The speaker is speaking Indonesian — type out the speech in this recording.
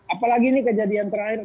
apa lagi ini kejadian terakhir